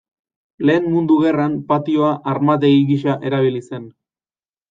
Lehen Mundu Gerran, patioa armategi gisa erabili zen.